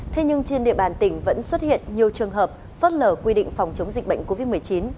thế nhưng trên địa bàn tỉnh vẫn xuất hiện nhiều trường hợp phớt lờ quy định phòng chống dịch bệnh covid một mươi chín